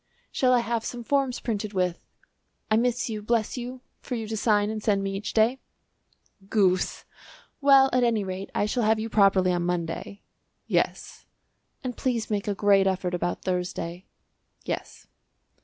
"Shall I have some forms printed with 'I miss you, bless you,' for you to sign and send me each day." "Goose!" "Well, at any rate, I shall have you properly on Monday." "Yes." "And please make a great effort about Thursday." "Yes."